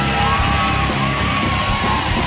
โอ้โฮ